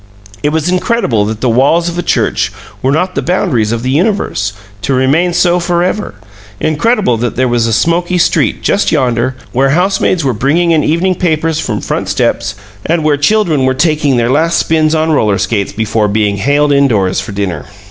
It was incredible that the walls of the church were not the boundaries of the universe, to remain so for ever; incredible that there was a smoky street just yonder, where housemaids were bringing in evening papers from front steps and where children were taking their last spins on roller skates before being haled indoors for dinner.